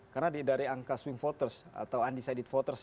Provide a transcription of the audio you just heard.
karena dari angka swing voters atau undecided voters ya